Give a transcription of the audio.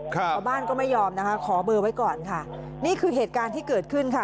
ชาวบ้านก็ไม่ยอมนะคะขอเบอร์ไว้ก่อนค่ะนี่คือเหตุการณ์ที่เกิดขึ้นค่ะ